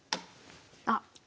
あっ。